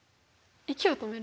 息を止める？